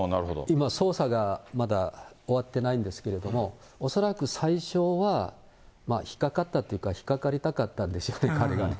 今、捜査がまだ終わってないんですけれども、恐らく最初は、引っ掛かったというか、引っ掛かりたかったんでしょう、彼がね。